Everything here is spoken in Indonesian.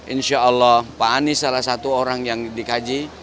insya allah pak anies salah satu orang yang dikaji